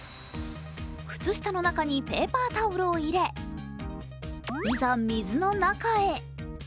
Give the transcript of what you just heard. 靴下の中にペーパータオルを入れいざ、水の中へ。